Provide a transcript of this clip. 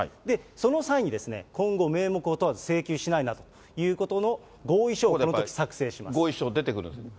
その際に今後、名目を問わず請求しないということの合意書をこのとき、合意書、出てくるんです。